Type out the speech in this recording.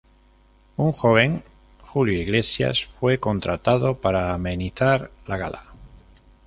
Un joven Julio Iglesias fue contratado para amenizar la gala.